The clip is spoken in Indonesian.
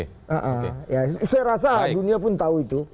saya rasa dunia pun tahu itu